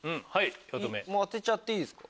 当てちゃっていいですか？